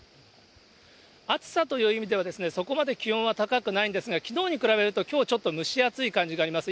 暑さという意味では、そこまで気温は高くないんですが、きのうに比べると、きょうちょっと蒸し暑い感じがあります。